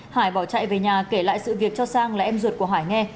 hải bỏ chạy về nhà kể lại sự việc cho sang là em ruột của hải nghe